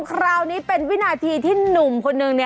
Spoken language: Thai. คราวนี้เป็นวินาทีที่หนุ่มคนนึง